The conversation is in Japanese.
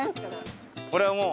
これはもう。